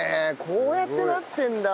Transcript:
こうやってなってるんだ。